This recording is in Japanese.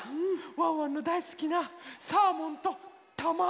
ワンワンのだいすきなサーモンとたまご。